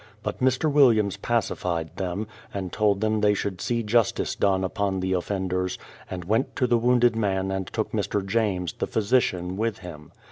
But Mr. Williams pacified them, and told them they should see justice done upon the offenders, and went to the wounded man and took Mr. James, the physician, with him.